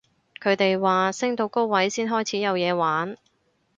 佢哋話升到高位先開始有嘢玩